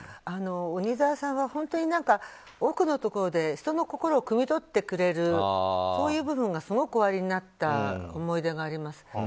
鬼沢さんは奥のところで人の心をくみ取ってくれるそういう部分がすごくおありになった思い出があります。